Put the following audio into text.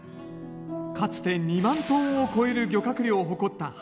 かつて２万トンを超える漁獲量を誇ったハタハタ。